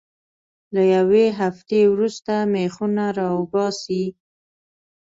له یوې هفتې وروسته میخونه را وباسئ.